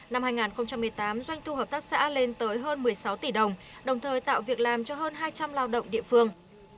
năm hai nghìn một mươi tám doanh thu hợp tác xã lên tới hơn một mươi sáu tỷ đồng đồng thời tạo việc làm cho hơn hai trăm linh lao động địa phương